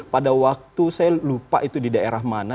pada waktu saya lupa itu di daerah mana